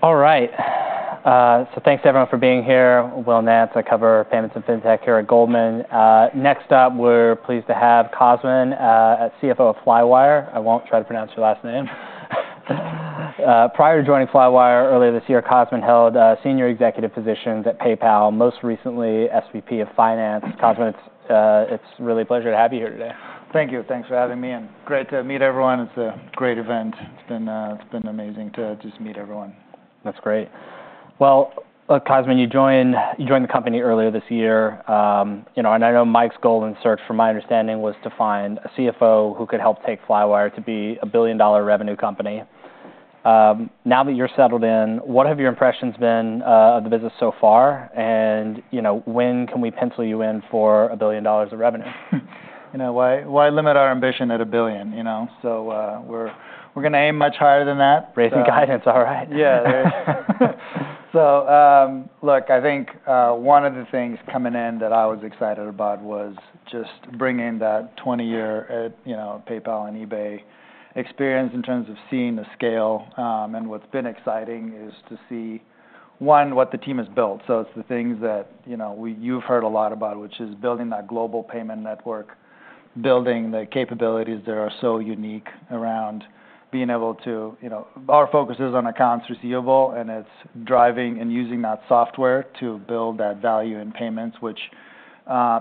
All right. So thanks everyone for being here. Will Nance, I cover payments and fintech here at Goldman. Next up, we're pleased to have Cosmin, CFO of Flywire. I won't try to pronounce your last name. Prior to joining Flywire earlier this year, Cosmin held senior executive positions at PayPal, most recently SVP of Finance. Cosmin, it's really a pleasure to have you here today. Thank you. Thanks for having me, and great to meet everyone. It's a great event. It's been amazing to just meet everyone. That's great. Well, look, Cosmin, you joined the company earlier this year, you know, and I know Mike's goal in search, from my understanding, was to find a CFO who could help take Flywire to be a $1 billion revenue company. Now that you're settled in, what have your impressions been, of the business so far? And, you know, when can we pencil you in for $1 billion of revenue? You know, why, why limit our ambition at a billion, you know? So, we're gonna aim much higher than that. Raising guidance. All right. Yeah, so, look, I think, one of the things coming in that I was excited about was just bringing that 20-year, you know, PayPal and eBay experience in terms of seeing the scale, and what's been exciting is to see, one, what the team has built, so it's the things that, you know, you've heard a lot about, which is building that global payment network, building the capabilities that are so unique around being able to... You know, our focus is on accounts receivable, and it's driving and using that software to build that value in payments, which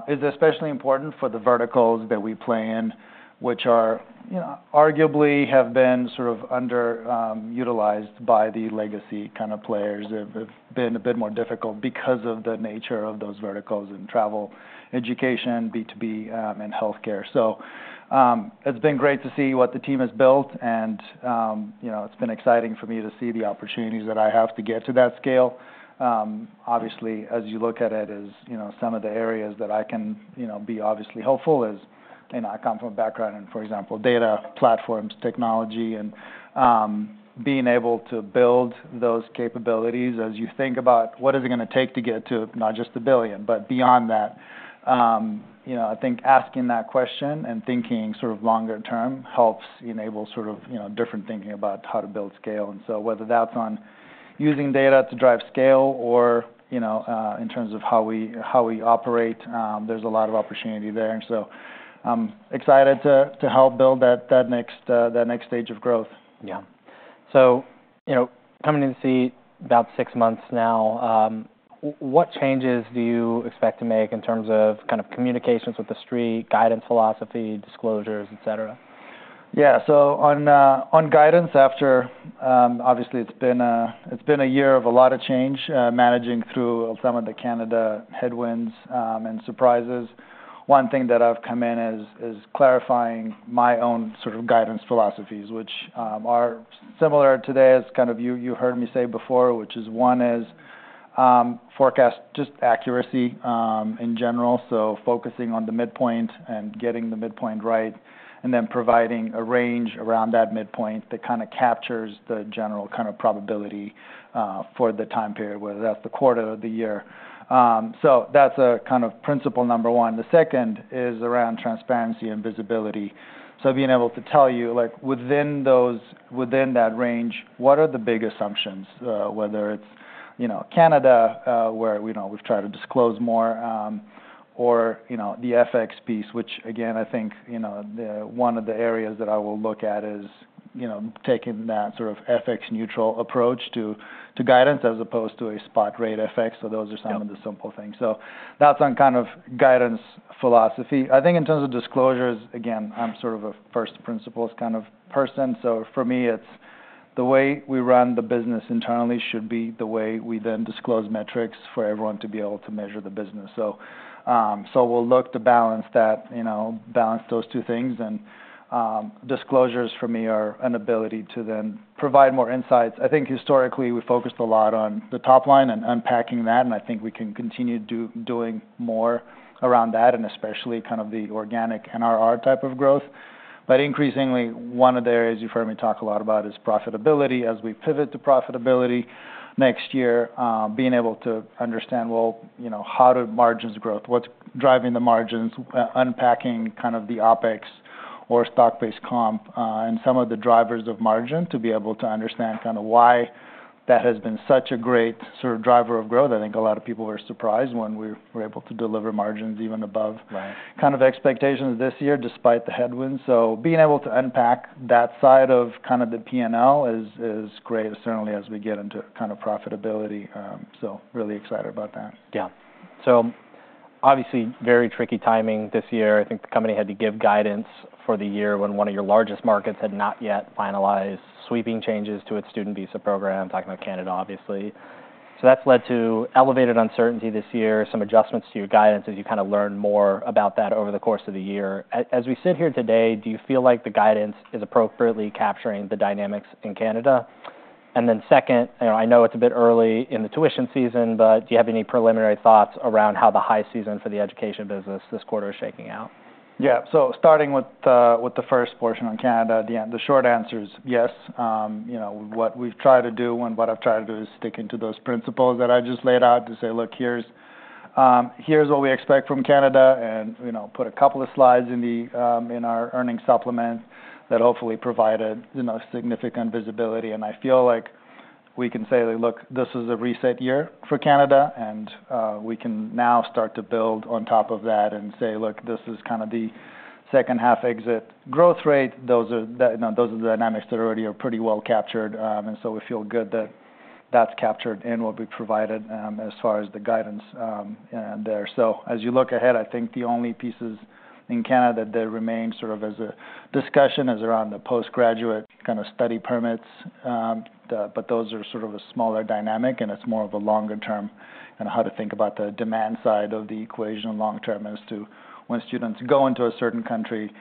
is especially important for the verticals that we play in, which are, you know, arguably have been sort of underutilized by the legacy kind of players. They've been a bit more difficult because of the nature of those verticals in travel, education, B2B, and healthcare. So, it's been great to see what the team has built, and, you know, it's been exciting for me to see the opportunities that I have to get to that scale. Obviously, as you look at it, as, you know, some of the areas that I can, you know, be obviously helpful is, you know, I come from a background in, for example, data platforms, technology, and, being able to build those capabilities. As you think about what is it gonna take to get to not just a billion, but beyond that, you know, I think asking that question and thinking sort of longer term helps enable sort of, you know, different thinking about how to build scale. And so whether that's on using data to drive scale or, you know, in terms of how we operate, there's a lot of opportunity there. And so I'm excited to help build that next stage of growth. Yeah. So, you know, coming in to see about six months now, what changes do you expect to make in terms of kind of communications with the Street, guidance, philosophy, disclosures, et cetera? Yeah. So on guidance, after. Obviously, it's been a year of a lot of change, managing through some of the Canada headwinds, and surprises. One thing that I've come in is clarifying my own sort of guidance philosophies, which are similar today as kind of you heard me say before, which is one, forecast just accuracy in general. So focusing on the midpoint and getting the midpoint right, and then providing a range around that midpoint that kind of captures the general kind of probability for the time period, whether that's the quarter or the year. So that's a kind of principle number one. The second is around transparency and visibility. So being able to tell you, like, within that range, what are the big assumptions? Whether it's, you know, Canada, where, you know, we've tried to disclose more, or, you know, the FX piece, which again, I think, you know, one of the areas that I will look at is, you know, taking that sort of FX-neutral approach to guidance as opposed to a spot rate FX. So those are- Yeah... some of the simple things. So that's on kind of guidance philosophy. I think in terms of disclosures, again, I'm sort of a first principles kind of person. So for me, it's the way we run the business internally should be the way we then disclose metrics for everyone to be able to measure the business. So we'll look to balance that, you know, balance those two things. And disclosures for me are an ability to then provide more insights. I think historically, we focused a lot on the top line and unpacking that, and I think we can continue doing more around that, and especially kind of the organic NRR type of growth. But increasingly, one of the areas you've heard me talk a lot about is profitability. As we pivot to profitability next year, being able to understand, well, you know, how do margins growth, what's driving the margins, unpacking kind of the OpEx or stock-based comp, and some of the drivers of margin, to be able to understand kind of why that has been such a great sort of driver of growth. I think a lot of people were surprised when we were able to deliver margins even above- Right... kind of expectations this year, despite the headwinds. So being able to unpack that side of kind of the P&L is great, certainly as we get into kind of profitability. So really excited about that. Yeah. So obviously, very tricky timing this year. I think the company had to give guidance for the year when one of your largest markets had not yet finalized sweeping changes to its student visa program. I'm talking about Canada, obviously. So that's led to elevated uncertainty this year, some adjustments to your guidance as you kind of learn more about that over the course of the year. As we sit here today, do you feel like the guidance is appropriately capturing the dynamics in Canada? And then second, you know, I know it's a bit early in the tuition season, but do you have any preliminary thoughts around how the high season for the education business this quarter is shaking out? Yeah. So starting with the first portion on Canada, the short answer is yes. You know, what we've tried to do and what I've tried to do is stick to those principles that I just laid out to say, look, here's what we expect from Canada, and, you know, put a couple of slides in our earnings supplement that hopefully provided, you know, significant visibility. And I feel like we can say, "Look, this is a reset year for Canada," and we can now start to build on top of that and say, "Look, this is kind of the second half exit growth rate." Those are the, you know, those are the dynamics that already are pretty well captured. And so we feel good that that's captured in what we provided as far as the guidance there. So as you look ahead, I think the only pieces in Canada that remain sort of as a discussion is around the postgraduate kind of study permits. But those are sort of a smaller dynamic, and it's more of a longer term and how to think about the demand side of the equation long term as to when students go into a certain country,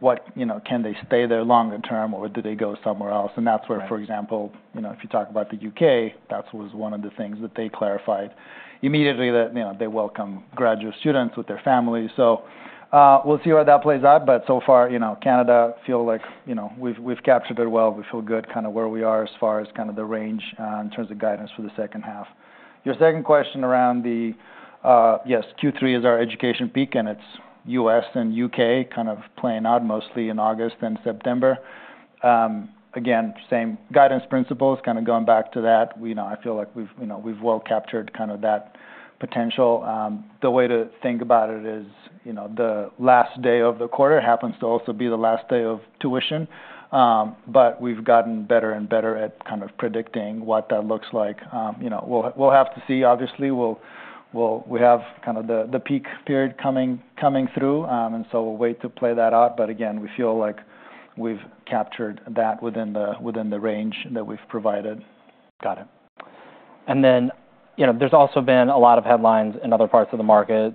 what... You know, can they stay there longer term, or do they go somewhere else? And that's where, for example, you know, if you talk about the U.K., that was one of the things that they clarified immediately, that, you know, they welcome graduate students with their families. So, we'll see where that plays out. But so far, you know, Canada feel like, you know, we've captured it well. We feel good kind of where we are as far as kind of the range in terms of guidance for the second half. Your second question around the. Yes, Q3 is our education peak, and it's U.S. and U.K. kind of playing out mostly in August and September. Again, same guidance principles, kind of going back to that. You know, I feel like we've, you know, we've well captured kind of that potential. The way to think about it is, you know, the last day of the quarter happens to also be the last day of tuition. But we've gotten better and better at kind of predicting what that looks like. You know, we'll have to see. Obviously, we have the peak period coming through, and so we'll wait to play that out. But again, we feel like we've captured that within the range that we've provided. Got it. And then, you know, there's also been a lot of headlines in other parts of the market.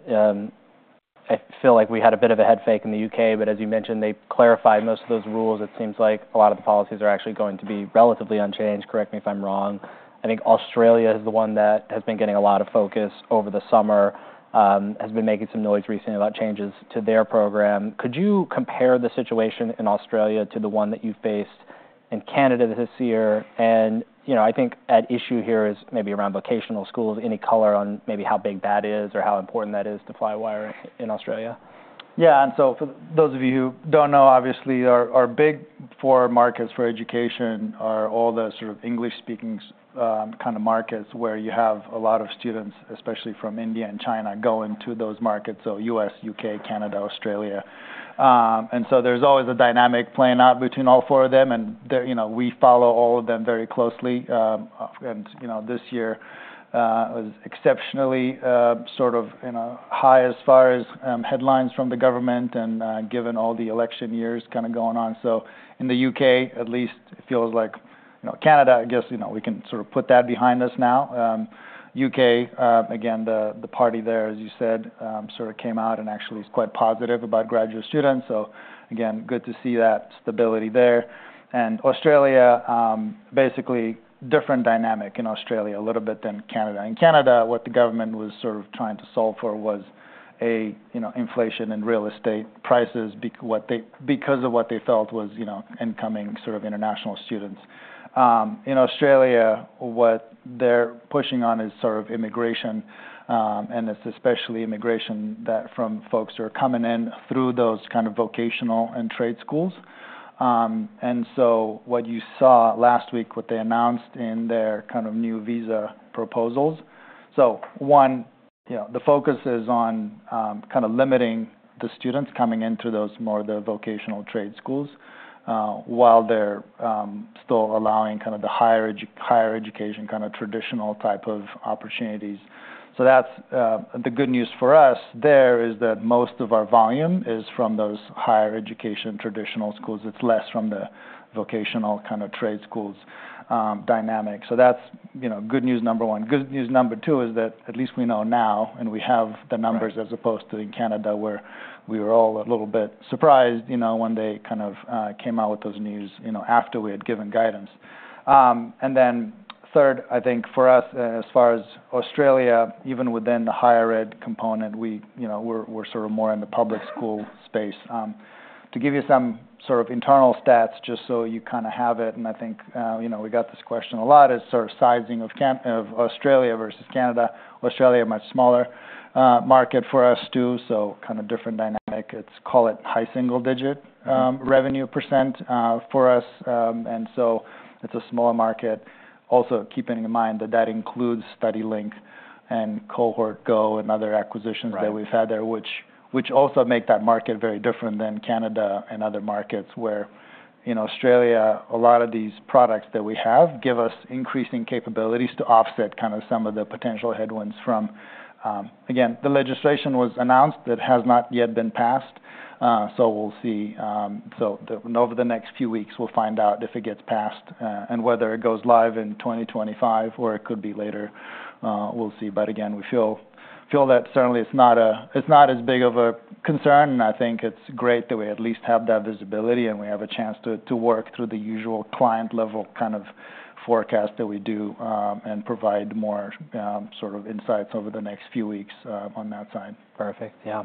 I feel like we had a bit of a head fake in the U.K., but as you mentioned, they clarified most of those rules. It seems like a lot of the policies are actually going to be relatively unchanged. Correct me if I'm wrong. I think Australia is the one that has been getting a lot of focus over the summer, has been making some noise recently about changes to their program. Could you compare the situation in Australia to the one that you faced in Canada this year? And, you know, I think at issue here is maybe around vocational schools. Any color on maybe how big that is or how important that is to Flywire in Australia? Yeah, and so for those of you who don't know, obviously, our big four markets for education are all the sort of English-speaking, kind of markets, where you have a lot of students, especially from India and China, going to those markets, so U.S., U.K., Canada, Australia. And so there's always a dynamic playing out between all four of them, and you know, we follow all of them very closely. And, you know, this year was exceptionally, sort of, you know, high as far as, headlines from the government and, given all the election years kind of going on. So in the U.K., at least, it feels like... You know, Canada, I guess, you know, we can sort of put that behind us now. U.K., again, the party there, as you said, sort of came out and actually is quite positive about graduate students, so again, good to see that stability there, and Australia, basically different dynamic in Australia a little bit than Canada. In Canada, what the government was sort of trying to solve for was a, you know, inflation in real estate prices because of what they felt was, you know, incoming sort of international students. In Australia, what they're pushing on is sort of immigration, and it's especially immigration from folks who are coming in through those kind of vocational and trade schools, and so what you saw last week, what they announced in their kind of new visa proposals... So one, you know, the focus is on kind of limiting the students coming into those more, the vocational trade schools, while they're still allowing kind of the higher education, kind of traditional type of opportunities. So that's the good news for us there is that most of our volume is from those higher education traditional schools. It's less from the vocational kind of trade schools dynamic. So that's, you know, good news number one. Good news number two is that at least we know now, and we have the numbers, as opposed to in Canada, where we were all a little bit surprised, you know, when they kind of came out with those news, you know, after we had given guidance. And then third, I think for us, as far as Australia, even within the higher ed component, we, you know, we're sort of more in the public school space. To give you some sort of internal stats, just so you kind of have it, and I think, you know, we got this question a lot, is sort of sizing of Australia versus Canada. Australia, a much smaller market for us, too, so kind of different dynamic. It's, call it, high single digit revenue percent for us. And so it's a smaller market. Also, keeping in mind that that includes StudyLink and Cohort Go and other acquisitions- Right... that we've had there, which also make that market very different than Canada and other markets, where in Australia, a lot of these products that we have give us increasing capabilities to offset kind of some of the potential headwinds from... Again, the legislation was announced. It has not yet been passed, so we'll see. So over the next few weeks, we'll find out if it gets passed, and whether it goes live in 2025 or it could be later. We'll see. But again, we feel that certainly it's not as big of a concern, and I think it's great that we at least have that visibility, and we have a chance to work through the usual client-level kind of forecast that we do, and provide more sort of insights over the next few weeks on that side. Perfect. Yeah,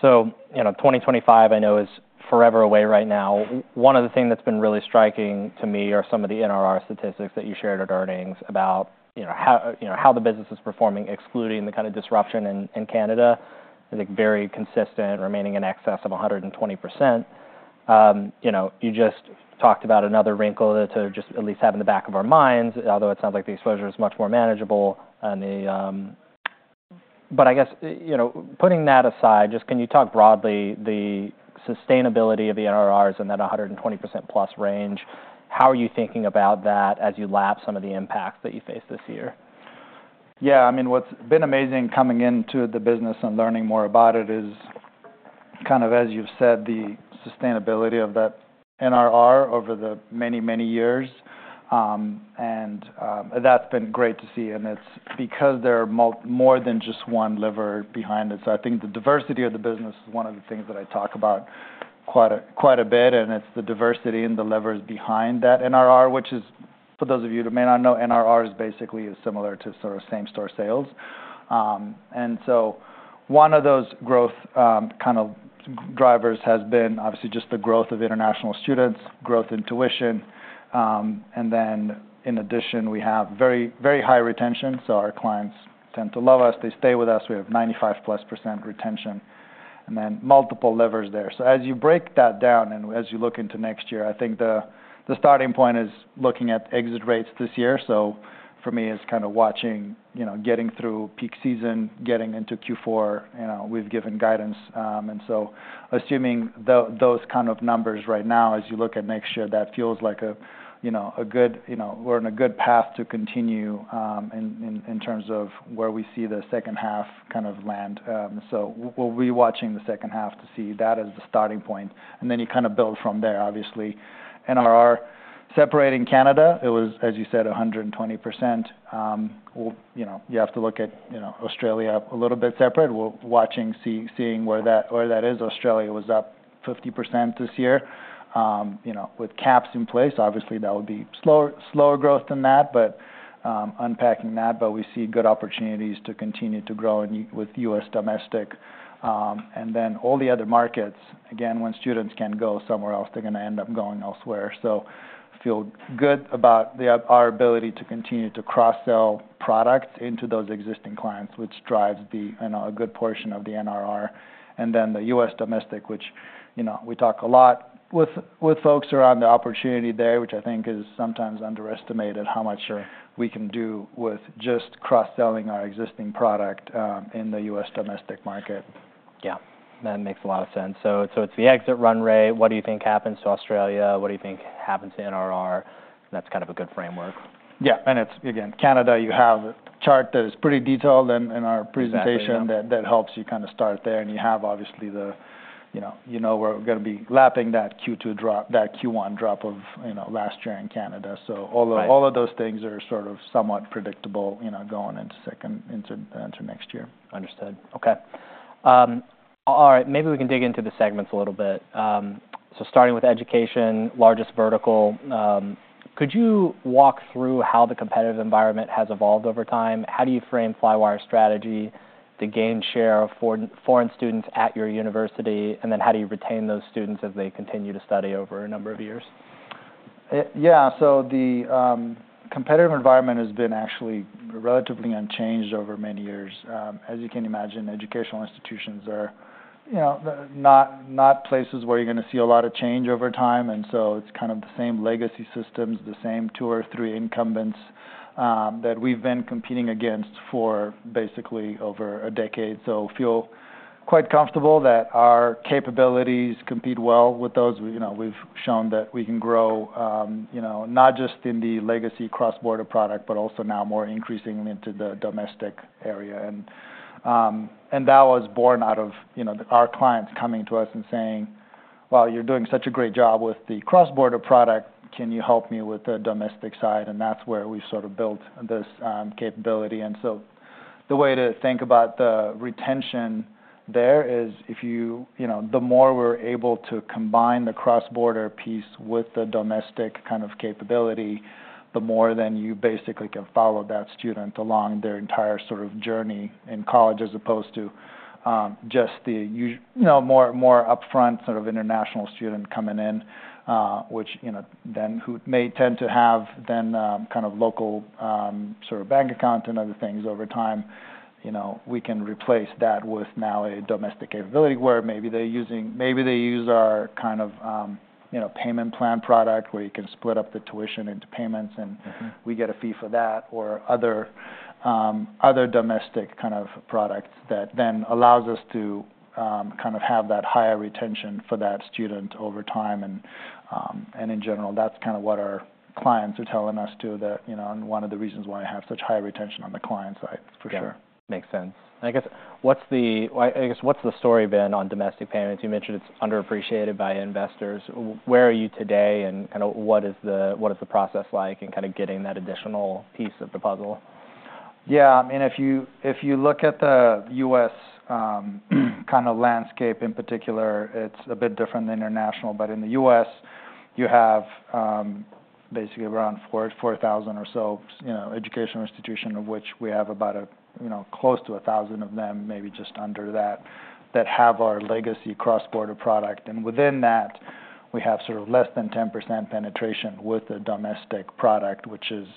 so you know, 2025 I know is forever away right now. One of the things that's been really striking to me are some of the NRR statistics that you shared at earnings about, you know, how, you know, how the business is performing, excluding the kind of disruption in Canada. I think very consistent, remaining in excess of 100%. You know, you just talked about another wrinkle to just at least have in the back of our minds, although it sounds like the exposure is much more manageable and the, but I guess, you know, putting that aside, just can you talk broadly the sustainability of the NRR is in that 100%+ range, how are you thinking about that as you lap some of the impacts that you face this year? Yeah, I mean, what's been amazing coming into the business and learning more about it is, kind of, as you've said, the sustainability of that NRR over the many, many years. That's been great to see, and it's because there are more than just one lever behind it. So I think the diversity of the business is one of the things that I talk about quite a bit, and it's the diversity in the levers behind that NRR, which is, for those of you who may not know, NRR is basically similar to sort of same-store sales. One of those growth, kind of drivers has been obviously just the growth of international students, growth in tuition, and then in addition, we have very, very high retention, so our clients tend to love us. They stay with us. We have 95%+ retention, and then multiple levers there. So as you break that down and as you look into next year, I think the starting point is looking at exit rates this year. So for me, it's kind of watching, you know, getting through peak season, getting into Q4, you know, we've given guidance. And so assuming those kind of numbers right now, as you look at next year, that feels like a good, you know, we're on a good path to continue in terms of where we see the second half kind of land. So we'll be watching the second half to see that as the starting point, and then you kind of build from there. Obviously, NRR, separating Canada, it was, as you said, 120%. You know, you have to look at, you know, Australia a little bit separate. We're watching, seeing where that is. Australia was up 50% this year. You know, with caps in place, obviously, that would be slower growth than that, but unpacking that. But we see good opportunities to continue to grow in U.S. domestic, and then all the other markets. Again, when students can go somewhere else, they're gonna end up going elsewhere. So feel good about our ability to continue to cross-sell products into those existing clients, which drives the, you know, a good portion of the NRR. And then the U.S. domestic, which, you know, we talk a lot with folks around the opportunity there, which I think is sometimes underestimated, how much we can do with just cross-selling our existing product in the U.S. domestic market. Yeah, that makes a lot of sense. So, it's the exit run rate. What do you think happens to Australia? What do you think happens to NRR? That's kind of a good framework. Yeah, and it's again Canada. You have a chart that is pretty detailed in our presentation- Exactly. that helps you kind of start there. And you have obviously the, you know, we're gonna be lapping that Q2 drop, that Q1 drop of, you know, last year in Canada. Right. So all of those things are sort of somewhat predictable, you know, going into next year. Understood. Okay. All right, maybe we can dig into the segments a little bit. So starting with education, largest vertical, could you walk through how the competitive environment has evolved over time? How do you frame Flywire's strategy to gain share of foreign students at your university? And then how do you retain those students as they continue to study over a number of years? Yeah, so the competitive environment has been actually relatively unchanged over many years. As you can imagine, educational institutions are, you know, not places where you're gonna see a lot of change over time, and so it's kind of the same legacy systems, the same two or three incumbents that we've been competing against for basically over a decade, so feel quite comfortable that our capabilities compete well with those. You know, we've shown that we can grow, you know, not just in the legacy cross-border product, but also now more increasingly into the domestic area, and that was born out of, you know, our clients coming to us and saying: "Well, you're doing such a great job with the cross-border product. Can you help me with the domestic side?" and that's where we sort of built this capability. And so the way to think about the retention there is if you... You know, the more we're able to combine the cross-border piece with the domestic kind of capability, the more then you basically can follow that student along their entire sort of journey in college, as opposed to just the U.S. You know, more upfront sort of international student coming in, which, you know, then who may tend to have then kind of local sort of bank account and other things over time. You know, we can replace that with now a domestic ability, where maybe they're using, maybe they use our kind of, you know, payment plan product, where you can split up the tuition into payments, and- Mm-hmm... we get a fee for that or other domestic kind of products that then allows us to kind of have that higher retention for that student over time. And in general, that's kind of what our clients are telling us, too, that you know and one of the reasons why I have such high retention on the client side, for sure. Yeah. Makes sense. I guess what's the story been on domestic payments? You mentioned it's underappreciated by investors. Where are you today, and kind of what is the process like in kind of getting that additional piece of the puzzle? Yeah, I mean, if you look at the U.S., kind of landscape in particular, it's a bit different than international. But in the U.S., you have basically around 4,000 or so, you know, educational institution, of which we have about a, you know, close to 1,000 of them, maybe just under that, that have our legacy cross-border product. And within that, we have sort of less than 10% penetration with the domestic product, which is.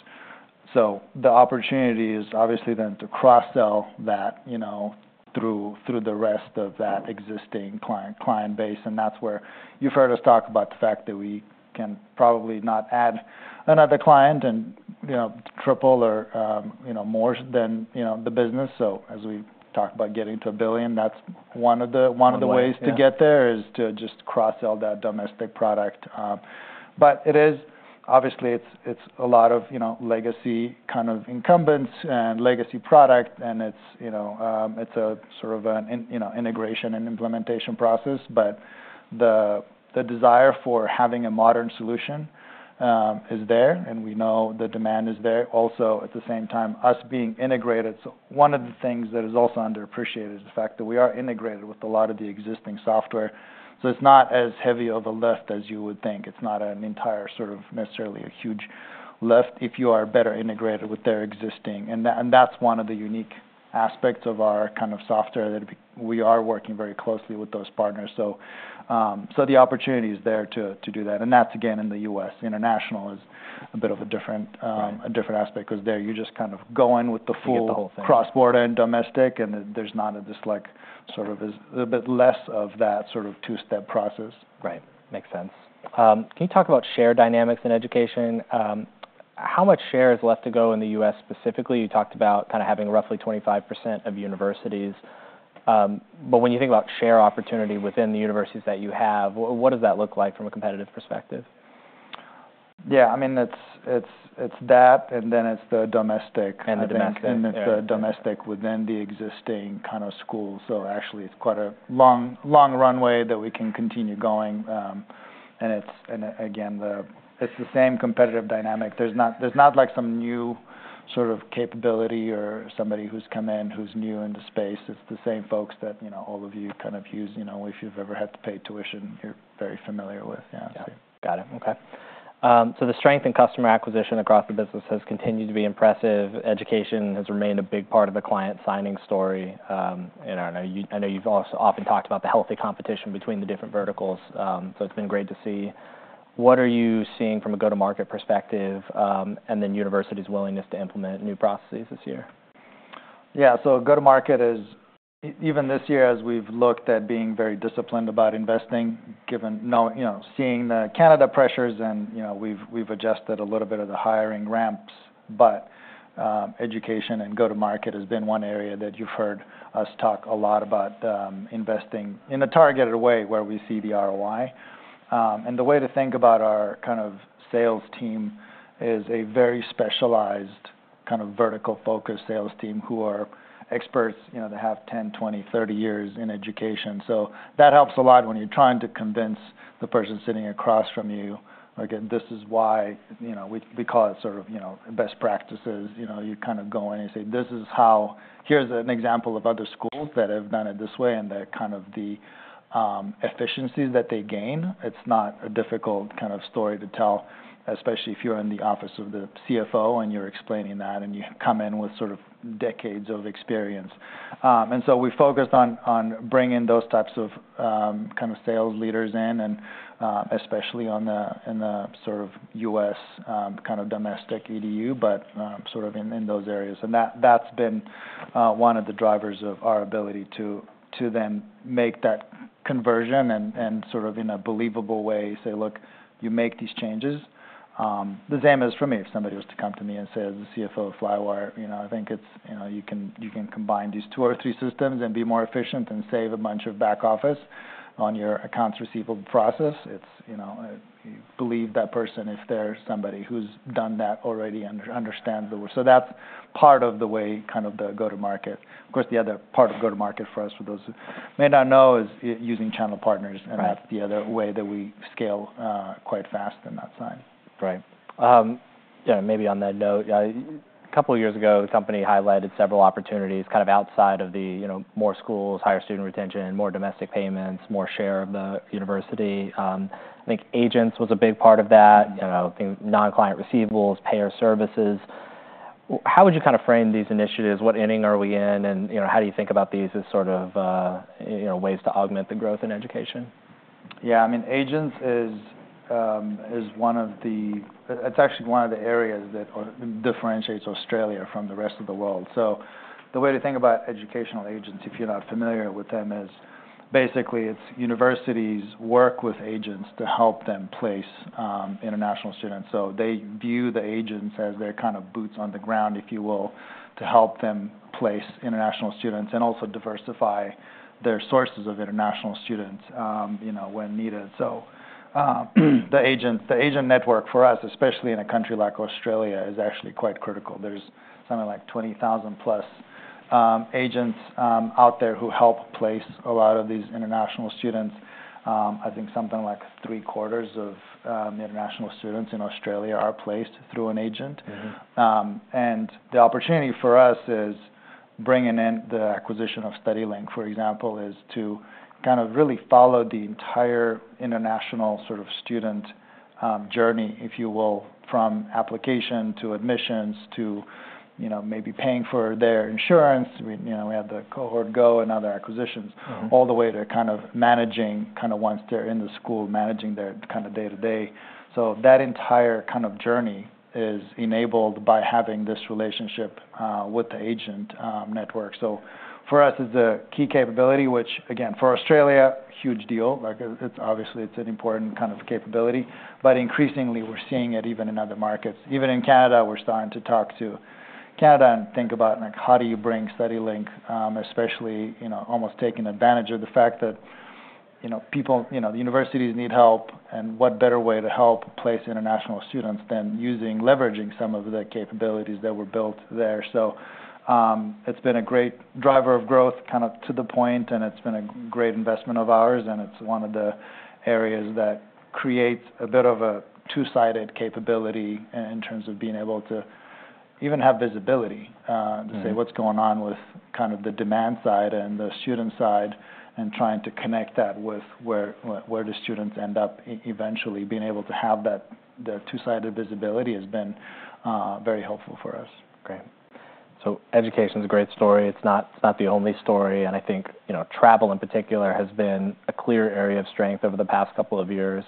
So the opportunity is obviously then to cross-sell that, you know, through the rest of that existing client base. And that's where you've heard us talk about the fact that we can probably not add another client and, you know, triple or more than the business. So as we talk about getting to $1 billion, that's one of the- One way, yeah. One of the ways to get there is to just cross-sell that domestic product. But it is obviously it's a lot of you know legacy kind of incumbents and legacy product and it's you know it's a sort of an integration and implementation process. But the desire for having a modern solution is there and we know the demand is there. Also at the same time us being integrated. So one of the things that is also underappreciated is the fact that we are integrated with a lot of the existing software so it's not as heavy of a lift as you would think. It's not an entire sort of necessarily a huge lift if you are better integrated with their existing. And that, and that's one of the unique aspects of our kind of software, that we are working very closely with those partners. So, the opportunity is there to do that, and that's again, in the U.S. International is a bit of a different. Right... a different aspect, because there you're just kind of going with the full- You get the whole thing. cross-border and domestic, and there's not a dislike, sort of as... a bit less of that sort of two-step process. Right. Makes sense. Can you talk about share dynamics in education? How much share is left to go in the U.S. specifically? You talked about kind of having roughly 25% of universities, but when you think about share opportunity within the universities that you have, what does that look like from a competitive perspective? Yeah, I mean, it's that, and then it's the domestic- And the domestic. It's the domestic within the existing kind of schools. Actually, it's quite a long, long runway that we can continue going. And again, it's the same competitive dynamic. There's not like some new sort of capability or somebody who's come in, who's new in the space. It's the same folks that, you know, all of you kind of use. You know, if you've ever had to pay tuition, you're very familiar with. Yeah. Got it. Okay, so the strength in customer acquisition across the business has continued to be impressive. Education has remained a big part of the client signing story, and I know you've also often talked about the healthy competition between the different verticals, so it's been great to see. What are you seeing from a go-to-market perspective, and then universities' willingness to implement new processes this year? Yeah. So go-to-market is even this year, as we've looked at being very disciplined about investing, given you know, seeing the Canada pressures and, you know, we've adjusted a little bit of the hiring ramps. But, education and go-to-market has been one area that you've heard us talk a lot about, investing in a targeted way, where we see the ROI. And the way to think about our kind of sales team is a very specialized, kind of, vertical-focused sales team, who are experts, you know, that have 10, 20, 30 years in education. So that helps a lot when you're trying to convince the person sitting across from you. Again, this is why, you know, we call it sort of, you know, best practices. You know, you kind of go in and you say, "Here's an example of other schools that have done it this way, and the kind of efficiencies that they gain." It's not a difficult kind of story to tell, especially if you're in the office of the CFO and you're explaining that, and you come in with sort of decades of experience. And so we focused on bringing those types of kind of sales leaders in and especially in the sort of U.S. kind of domestic EDU, but sort of in those areas. And that's been one of the drivers of our ability to then make that conversion and sort of in a believable way say: Look, you make these changes. The same as for me, if somebody was to come to me and say, as the CFO of Flywire, you know, I think it's, you know, you can, you can combine these two or three systems and be more efficient and save a bunch of back office on your accounts receivable process. It's, you know, you believe that person, if they're somebody who's done that already and understands the work. So that's part of the way, kind of the go-to-market. Of course, the other part of go-to-market for us, for those who may not know, is using channel partners. Right. And that's the other way that we scale quite fast on that side. Right. Yeah, maybe on that note, a couple of years ago, the company highlighted several opportunities, kind of outside of the, you know, more schools, higher student retention, more domestic payments, more share of the university. I think agents was a big part of that, you know, non-client receivables, payer services. How would you kind of frame these initiatives? What inning are we in, and, you know, how do you think about these as sort of, you know, ways to augment the growth in education? Yeah, I mean, agents is one of the—it's actually one of the areas that differentiates Australia from the rest of the world. So the way to think about educational agents, if you're not familiar with them, is basically it's universities work with agents to help them place international students. So they view the agents as their kind of boots on the ground, if you will, to help them place international students and also diversify their sources of international students, you know, when needed. So the agent network for us, especially in a country like Australia, is actually quite critical. There's something like 20,000+ agents out there who help place a lot of these international students. I think something like three-quarters of the international students in Australia are placed through an agent. Mm-hmm. and the opportunity for us bringing in the acquisition of StudyLink, for example, is to kind of really follow the entire international sort of student journey, if you will, from application to admissions to, you know, maybe paying for their insurance. We, you know, we have the Cohort Go and other acquisitions- Mm-hmm. all the way to kind of managing, kind of once they're in the school, managing their kind of day-to-day. So that entire kind of journey is enabled by having this relationship with the agent network. So for us, it's a key capability, which again, for Australia, huge deal. Like, it's obviously, it's an important kind of capability. But increasingly, we're seeing it even in other markets. Even in Canada, we're starting to talk to Canada and think about, like, how do you bring StudyLink, especially, you know, almost taking advantage of the fact that, you know, people, you know, the universities need help, and what better way to help place international students than using leveraging some of the capabilities that were built there? So, it's been a great driver of growth, kind of to the point, and it's been a great investment of ours, and it's one of the areas that creates a bit of a two-sided capability in terms of being able to even have visibility. Mm-hmm... to say what's going on with kind of the demand side and the student side, and trying to connect that with where the students end up eventually. Being able to have that, the two-sided visibility has been very helpful for us. Great. So education's a great story. It's not, it's not the only story, and I think, you know, travel, in particular, has been a clear area of strength over the past couple of years.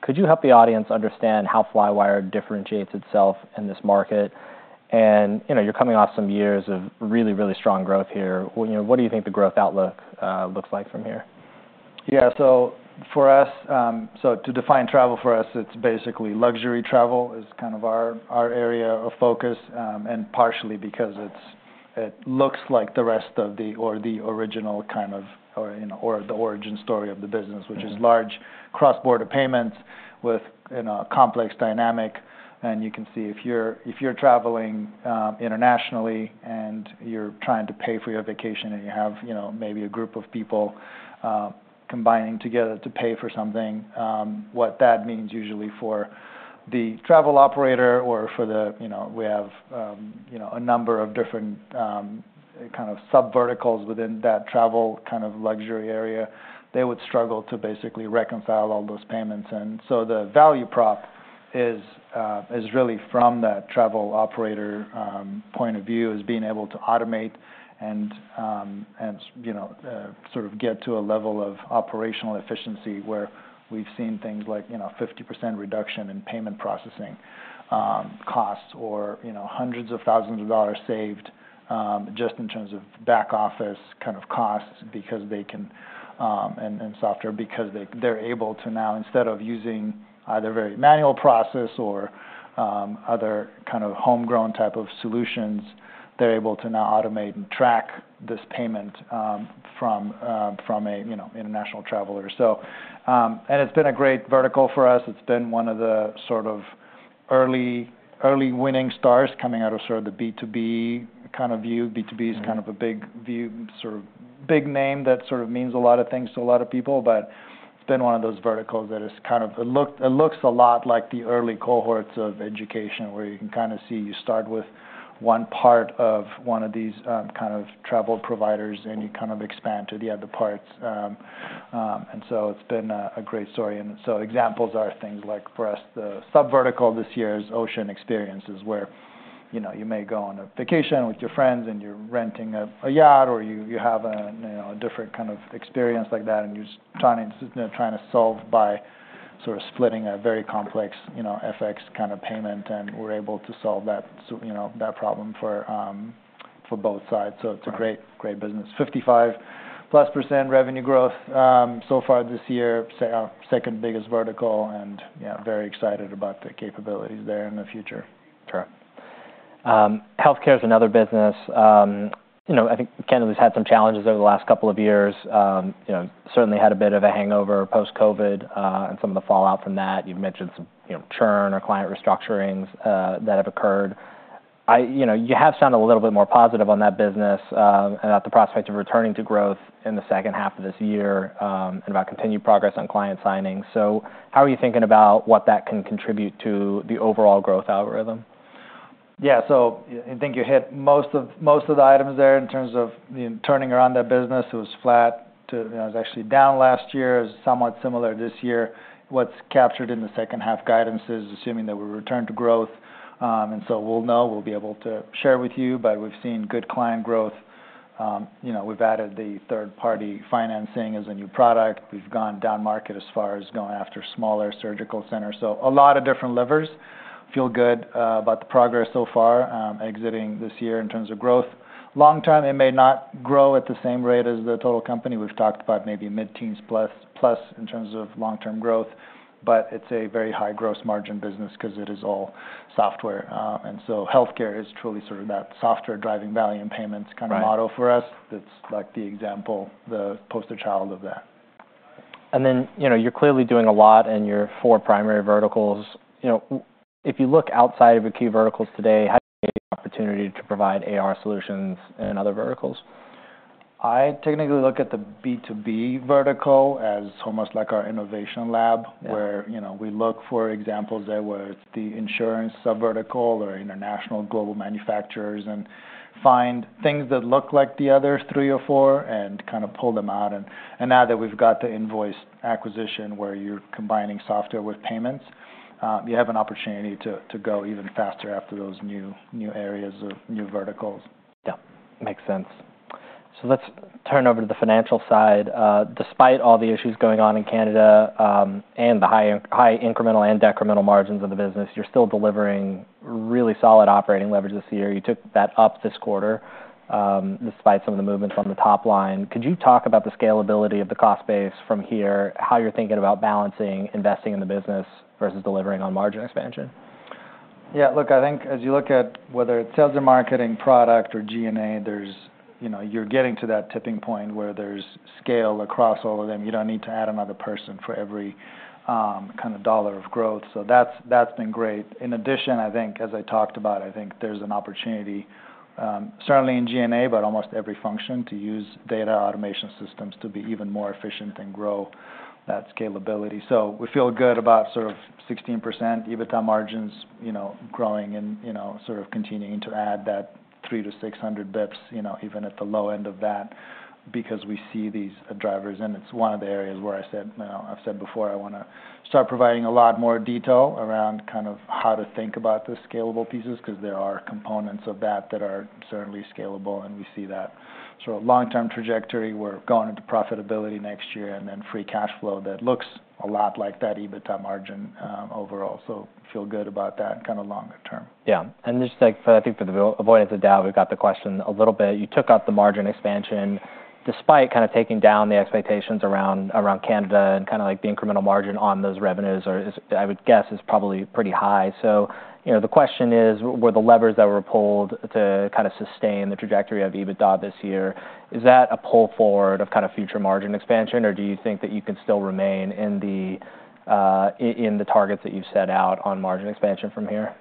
Could you help the audience understand how Flywire differentiates itself in this market? And, you know, you're coming off some years of really, really strong growth here. You know, what do you think the growth outlook looks like from here? Yeah. So for us, to define travel for us, it's basically luxury travel is kind of our area of focus, and partially because it's it looks like the rest of the, or the original kind of, or, you know, or the origin story of the business- Mm-hmm... which is large cross-border payments with, you know, a complex dynamic. And you can see if you're traveling internationally and you're trying to pay for your vacation, and you have, you know, maybe a group of people combining together to pay for something, what that means usually for the travel operator or for the, you know, we have, you know, a number of different kind of subverticals within that travel kind of luxury area. They would struggle to basically reconcile all those payments. And so the value prop is really from that travel operator point of view is being able to automate and you know sort of get to a level of operational efficiency, where we've seen things like you know 50% reduction in payment processing costs or you know hundreds of thousands of dollars saved just in terms of back office kind of costs, because they can and softer because they they're able to now instead of using either very manual process or other kind of homegrown type of solutions. They're able to now automate and track this payment from a you know international traveler. So it's been a great vertical for us. It's been one of the sort of early winning stars coming out of sort of the B2B kind of view. B2B is- Mm-hmm... kind of a big view, sort of big name that sort of means a lot of things to a lot of people. But it's been one of those verticals that kind of looks a lot like the early cohorts of education, where you can kind of see you start with one part of one of these kind of travel providers, and you kind of expand to the other parts. And so it's been a great story. Examples are things like, for us, the subvertical this year is ocean experiences, where, you know, you may go on a vacation with your friends and you're renting a yacht, or you have a, you know, a different kind of experience like that, and you're trying to solve by sort of splitting a very complex, you know, FX kind of payment, and we're able to solve that so you know, that problem for both sides. Right. It's a great, great business. 55%+ revenue growth so far this year. Our second biggest vertical, and yeah, very excited about the capabilities there in the future. Sure. Healthcare is another business. You know, I think Canada's had some challenges over the last couple of years. You know, certainly had a bit of a hangover post-COVID, and some of the fallout from that. You've mentioned some, you know, churn or client restructurings, that have occurred. You know, you have sounded a little bit more positive on that business, and about the prospects of returning to growth in the second half of this year, and about continued progress on client signings. So how are you thinking about what that can contribute to the overall growth algorithm? Yeah, so I think you hit most of the items there in terms of, you know, turning around that business. It was flat to, you know, it was actually down last year. It was somewhat similar this year. What's captured in the second half guidance is assuming that we return to growth. And so we'll know, we'll be able to share with you, but we've seen good client growth. You know, we've added the third-party financing as a new product. We've gone down market as far as going after smaller surgical centers. So a lot of different levers. Feel good about the progress so far, exiting this year in terms of growth. Long term, it may not grow at the same rate as the total company. We've talked about maybe mid-teens plus, plus in terms of long-term growth, but it's a very high gross margin business because it is all software, and so healthcare is truly sort of that software driving value and payments kind of- Right... model for us. That's like the example, the poster child of that. And then, you know, you're clearly doing a lot in your four primary verticals. You know, if you look outside of your key verticals today, how do you see the opportunity to provide AR solutions in other verticals?... I technically look at the B2B vertical as almost like our innovation lab- Yeah. where, you know, we look for examples there, where it's the insurance sub-vertical or international global manufacturers, and find things that look like the other three or four, and kind of pull them out. And now that we've got the Invoiced acquisition, where you're combining software with payments, you have an opportunity to go even faster after those new areas or new verticals. Yeah. Makes sense. So let's turn over to the financial side. Despite all the issues going on in Canada, and the high incremental and decremental margins of the business, you're still delivering really solid operating leverage this year. You took that up this quarter, despite some of the movements on the top line. Could you talk about the scalability of the cost base from here, how you're thinking about balancing investing in the business versus delivering on margin expansion? Yeah, look, I think as you look at whether it's sales and marketing, product or G&A, there's, you know, you're getting to that tipping point where there's scale across all of them. You don't need to add another person for every kind of dollar of growth. So that's, that's been great. In addition, I think, as I talked about, I think there's an opportunity certainly in G&A, but almost every function, to use data automation systems to be even more efficient and grow that scalability. We feel good about sort of 16% EBITDA margins, you know, growing and, you know, sort of continuing to add that three to six hundred basis points, you know, even at the low end of that, because we see these drivers, and it's one of the areas where I've said before, I wanna start providing a lot more detail around kind of how to think about the scalable pieces, 'cause there are components of that that are certainly scalable, and we see that. Long-term trajectory, we're going into profitability next year, and then free cash flow that looks a lot like that EBITDA margin, overall. We feel good about that kind of longer term. Yeah. And just like, I think for the avoidance of doubt, we've got the question a little bit. You took up the margin expansion, despite kind of taking down the expectations around Canada and kind of like the incremental margin on those revenues is, I would guess, probably pretty high. So, you know, the question is: Were the levers that were pulled to kind of sustain the trajectory of EBITDA this year, is that a pull forward of kind of future margin expansion, or do you think that you can still remain in the in the targets that you've set out on margin expansion from here?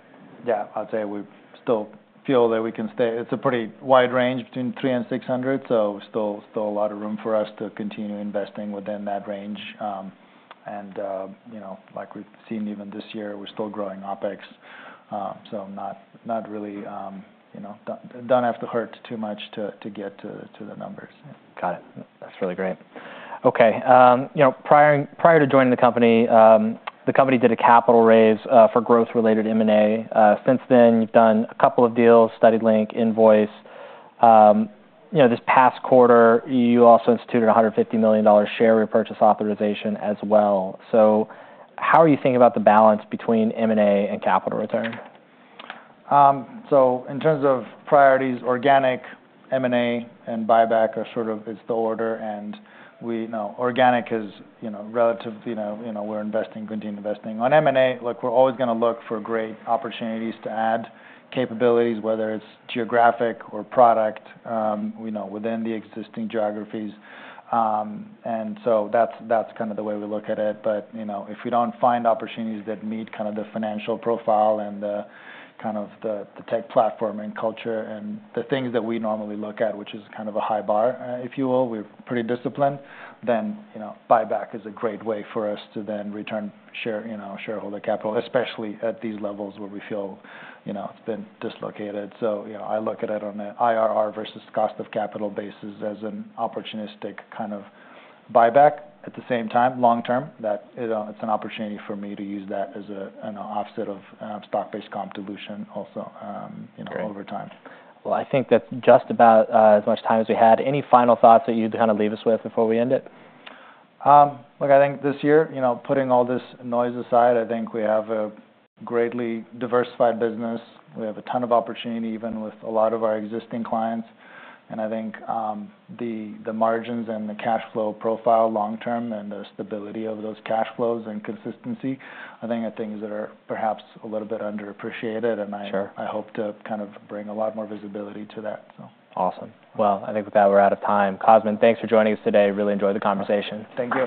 Yeah, I'd say we still feel that we can stay. It's a pretty wide range between three and six hundred, so still a lot of room for us to continue investing within that range. And, you know, like we've seen even this year, we're still growing OpEx, so not really, you know, don't have to hurt too much to get to the numbers. Got it. That's really great. Okay, you know, prior to joining the company, the company did a capital raise for growth-related M&A. Since then, you've done a couple of deals, StudyLink, Invoiced. You know, this past quarter, you also instituted a $150 million share repurchase authorization as well. So how are you thinking about the balance between M&A and capital return? So in terms of priorities, organic, M&A, and buyback are sort of the order, and we you know, organic is you know relative you know, we're investing, continuing investing. On M&A, look, we're always gonna look for great opportunities to add capabilities, whether it's geographic or product you know within the existing geographies. And so that's kind of the way we look at it. But you know, if we don't find opportunities that meet kind of the financial profile and the kind of the tech platform and culture and the things that we normally look at, which is kind of a high bar, if you will, we're pretty disciplined, then you know, buyback is a great way for us to then return share you know shareholder capital, especially at these levels where we feel you know, it's been dislocated. So, you know, I look at it on an IRR versus cost of capital basis as an opportunistic kind of buyback. At the same time, long term, that is a, it's an opportunity for me to use that as a, an offset of stock-based comp dilution also, you know, over time. Great. Well, I think that's just about as much time as we had. Any final thoughts that you'd kind of leave us with before we end it? Look, I think this year, you know, putting all this noise aside, I think we have a greatly diversified business. We have a ton of opportunity, even with a lot of our existing clients. And I think the margins and the cash flow profile long term and the stability of those cash flows and consistency, I think are things that are perhaps a little bit underappreciated. Sure. I hope to kind of bring a lot more visibility to that, so. Awesome. Well, I think with that, we're out of time. Cosmin, thanks for joining us today. Really enjoyed the conversation. Thank you.